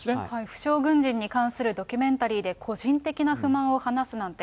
負傷軍人に関するドキュメンタリーで個人的な不満を話すなんて。